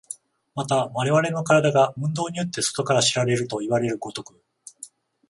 また我々の身体が運動によって外から知られるといわれる如く、